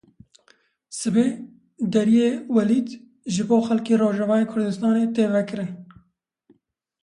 Sibê Deriyê Welîd ji bo xelkê Rojavayê Kurdistanê tê vekirin.